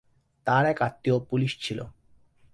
তাঁর এক আত্নীয় পুলিশ ছিল।